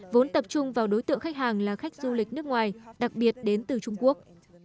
vốn tập trung vào đối tượng khách hàng là khách du lịch nước ngoài đặc biệt đến từ trung quốc